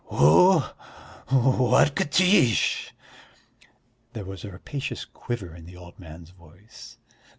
"Who? What Katiche?" There was a rapacious quiver in the old man's voice.